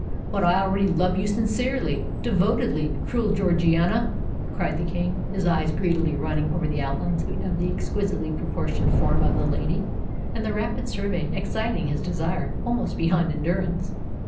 "But I already love you sincerely—devotedly, cruel Georgiana!" cried the King, his eyes greedily running over the outlines of the exquisitely proportioned form of the lady, and the rapid survey exciting his desire almost beyond endurance.